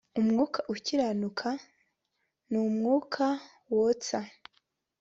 umwuka ukiranuka n umwuka wotsa